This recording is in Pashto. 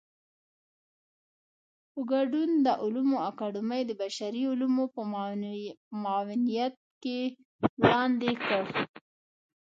په ګډون د علومو اکاډمۍ د بشري علومو په معاونيت کې وړاندې کړ.